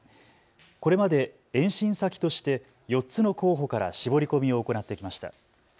これまで延伸先として４つの候補から絞り込みを行ってきました。